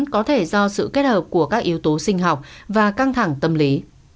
có thể do sự kết hợp của các yếu tố sinh học và căng thẳng tâm lý